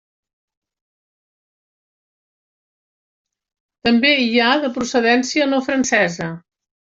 També hi ha de procedència no francesa.